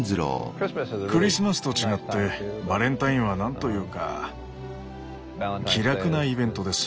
クリスマスと違ってバレンタインはなんというか気楽なイベントです。